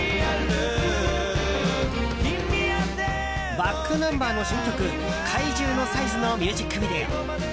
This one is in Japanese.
ｂａｃｋｎｕｍｂｅｒの新曲「怪獣のサイズ」のミュージックビデオ。